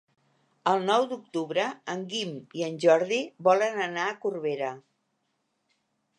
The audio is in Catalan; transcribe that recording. El nou d'octubre en Guim i en Jordi volen anar a Corbera.